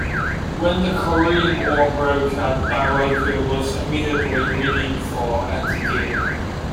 When the Korean War broke out "Bairoko" was immediately readied for active duty.